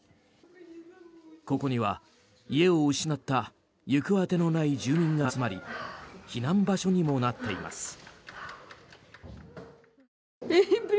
ここには、家を失った行く当てのない住民が集まり避難場所にもなっています。